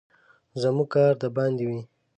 زموږ کار د باندې وي.